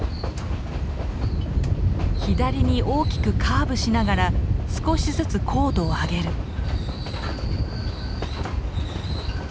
左に大きくカーブしながら少しずつ高度を上げる。